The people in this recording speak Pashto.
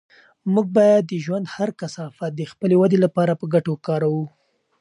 موږ باید د ژوند هر کثافت د خپلې ودې لپاره په ګټه وکاروو.